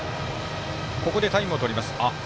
ここでタイムをとります。